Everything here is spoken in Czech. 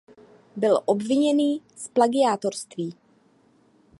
Byl obvinění z plagiátorství.